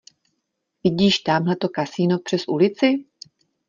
Vidíš támhleto kasino přes ulici?